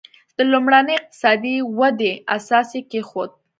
د لومړنۍ اقتصادي ودې اساس یې کېښود.